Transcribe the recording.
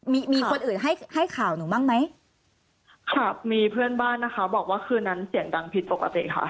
มีมีคนอื่นให้ให้ข่าวหนูบ้างไหมครับมีเพื่อนบ้านนะคะบอกว่าคืนนั้นเสียงดังผิดปกติค่ะ